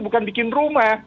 bukan bikin rumah